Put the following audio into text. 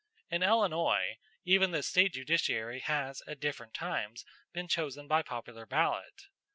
In Illinois, even the State judiciary has at different times been chosen by popular ballot.